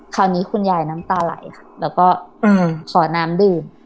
คราวนี้คุณยายน้ำตาไหลค่ะแล้วก็ขอน้ำดื่ม